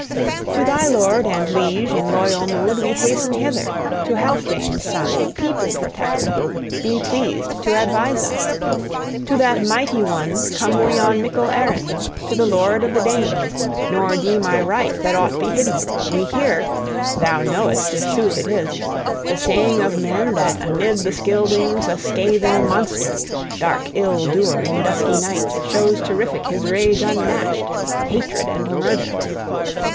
To thy lord and liege in loyal mood we hasten hither, to Healfdene's son, people protector: be pleased to advise us! To that mighty one come we on mickle errand, to the lord of the Danes; nor deem I right that aught be hidden. We hear thou knowest if sooth it is the saying of men, that amid the Scyldings a scathing monster, dark ill doer, in dusky nights shows terrific his rage unmatched, hatred and murder.